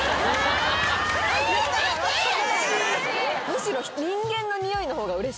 むしろ。